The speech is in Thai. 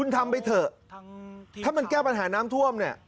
ถ้ามันแก้ปัญหาน้ำท่วม